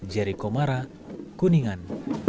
jeri komara kuningan